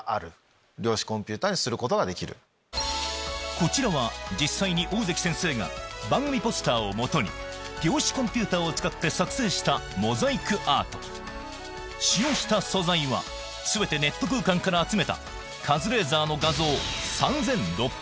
こちらは実際に大関先生が番組ポスターを基に量子コンピューターを使って作製したモザイクアート使用した素材は全てネット空間から集めたカズレーザーの画像